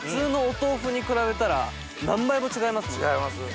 違います！